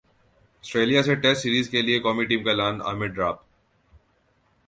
سٹریلیا سے test series کیلئے قومی ٹیم کا اعلان عامر ڈراپ